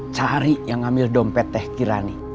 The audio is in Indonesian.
cari yang ngambil dompet teh kirani